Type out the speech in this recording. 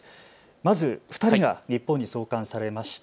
まず２人が日本に送還されました。